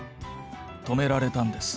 止められたんです。